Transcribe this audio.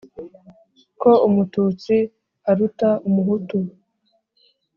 ko umututsi aruta umuhutu